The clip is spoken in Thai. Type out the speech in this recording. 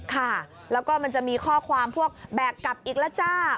ค่ะแล้วก็มันจะมีข้อความพวกแบกกลับอีกแล้วจ้า